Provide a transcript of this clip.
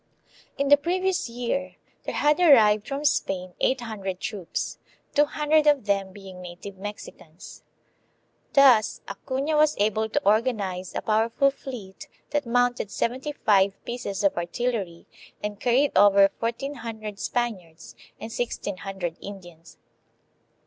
In the previous year there had arrived from Spain eight hundred troops, two hundred of them being native Mexicans. Thus Acuna was able to organize a powerful fleet that mounted seventy five pieces of artillery and carried over fourteen hundred Spaniards and sixteen hundred Indians.